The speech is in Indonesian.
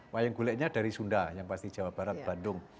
wayang guleknya dari sunda yang pasti jawa barat bandung